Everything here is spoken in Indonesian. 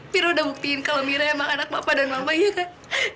biro udah buktiin kalau mira emang anak papa dan mama ya kan